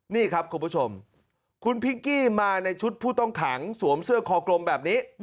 นี่ครับคุณผู้ชมคุณพิงกี้มาในชุดผู้ต้องขังสวมเสื้อคอกลมแบบนี้